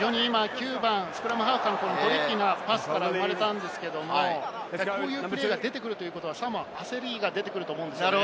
非常に今、９番スクラムハーフのトリッキーなパスから生まれたんですが、こういうプレーが出てくるということはサモアは焦りが出てくると思うんですね。